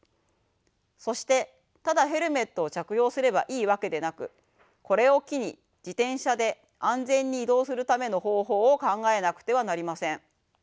そしてただヘルメットを着用すればいいわけでなくこれを機に自転車で安全に移動するための方法を考えなくてはなりません。